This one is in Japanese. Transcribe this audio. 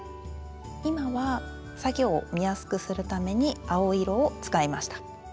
今は作業を見やすくするために青色を使いました。